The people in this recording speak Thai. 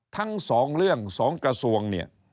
ทั้งสองเรื่องสองกระทรวง